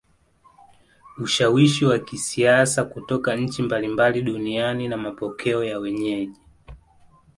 Ushawishi wa kisiasa kutoka nchi mbalimbali duniani na mapokeo ya wenyeji